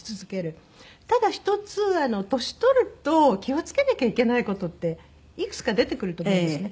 ただ１つ年取ると気を付けなきゃいけない事っていくつか出てくると思うんですね。